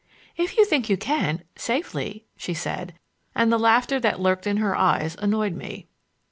"If you think you can,—safely," she said; and the laughter that lurked in her eyes annoyed me.